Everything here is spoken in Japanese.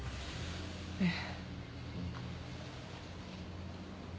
ええ。